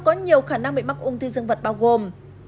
có nhiều khả năng bị mắc ung thư vật bao gồm